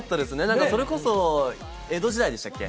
何かそれこそ江戸時代でしたっけ？